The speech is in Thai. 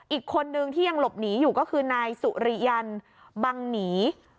อีกคนนึงที่ยังหลบหนีอยู่ก็คือนายสุริยันบังหนี